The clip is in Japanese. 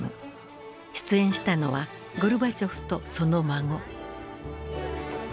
出演したのはゴルバチョフとその孫。